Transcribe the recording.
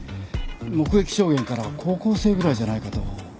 目撃証言からは高校生ぐらいじゃないかと。